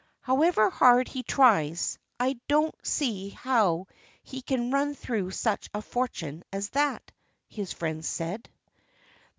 "However hard he tries, I don't see how he can run through such a fortune as that," his friends said.